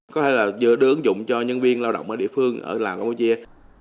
có thể là giữ ứng dụng cho nhân viên lao động ở địa phương ở lào campuchia